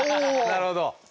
なるほど。